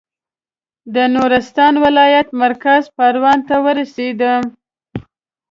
د نورستان ولایت مرکز پارون ته ورسېدم.